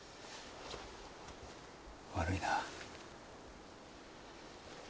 悪いな。